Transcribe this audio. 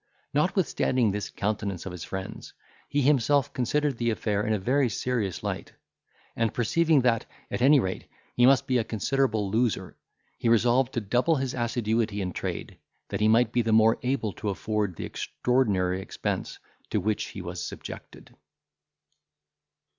Notwithstanding this countenance of his friends, he himself considered the affair in a very serious light; and perceiving that, at any rate, he must be a considerable loser, he resolved to double his assiduity in trade, that he might be the more able to afford the extraordinary expense to which he was subjected.